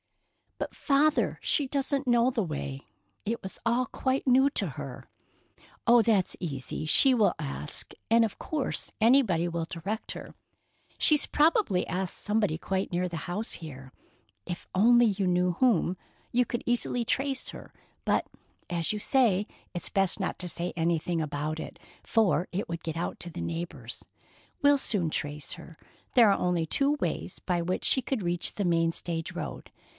"But, Father, she doesn't know the way. It was all quite new to her." "Oh, that's easy. She will ask, and of course anybody will direct her. She's probably asked somebody quite near the house here. If you only knew whom, you could easily trace her, but, as you say, it's best not to say anything about it, for it would get out to the neighbors. We'll soon trace her. There are only two ways by which she could reach the main stage road.